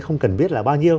không cần biết là bao nhiêu